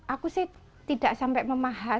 aku saya tidak sampai memahas